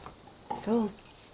そう。